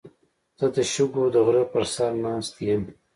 زه د شګو د غره په سر ناست یم.